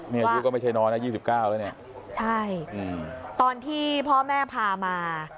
นี่อายุก็ไม่ใช่น้อยนะ๒๙แล้วเนี่ยใช่ตอนที่พ่อแม่พามา